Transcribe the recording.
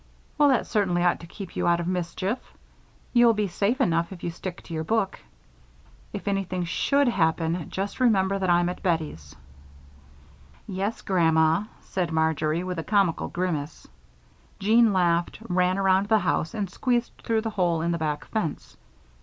"Well, that certainly ought to keep you out of mischief. You'll be safe enough if you stick to your book. If anything should happen, just remember that I'm at Bettie's." "Yes, Grandma," said Marjory, with a comical grimace. Jean laughed, ran around the house, and squeezed through the hole in the back fence.